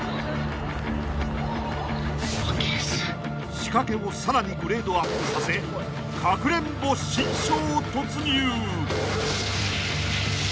［仕掛けをさらにグレードアップさせかくれんぼ新章突入］